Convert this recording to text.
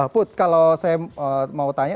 put kalau saya mau tanya